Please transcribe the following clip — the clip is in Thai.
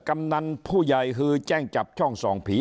กำนันผู้ใหญ่ฮือแจ้งจับช่องส่องผี